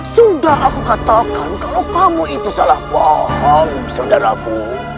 sudah aku katakan kalau kamu itu salah bohong saudaraku